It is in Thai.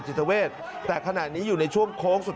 จิตเวชแต่ขณะนี้อยู่ในช่วงโค้ง